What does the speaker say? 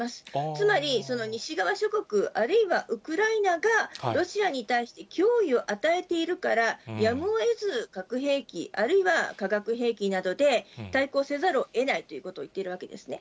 つまり、西側諸国、あるいはウクライナがロシアに対して脅威を与えているから、やむをえず核兵器、あるいは化学兵器などで対抗せざるをえないということを言っているわけですね。